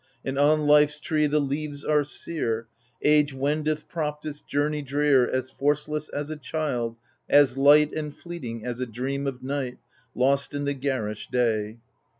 And on life's tree the leaves are sere, Age wendeth propped its journey drear, As forceless as a child, as light And fleeting as a dream of night Lost in the garish day I —